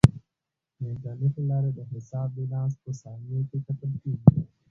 د انټرنیټ له لارې د حساب بیلانس په ثانیو کې کتل کیږي.